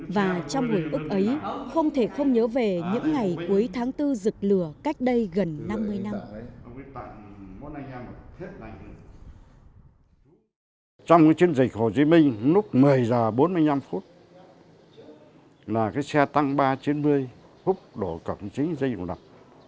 và trong hồi ước ấy không thể không nhớ về những ngày cuối tháng bốn rực lửa cách đây gần năm mươi năm